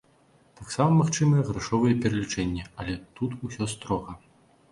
Таксама магчымыя грашовыя пералічэнні, але тут усё строга.